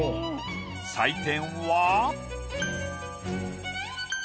採点は。